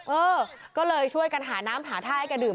เออก็เลยช่วยกันหาน้ำหาท่าให้แกดื่ม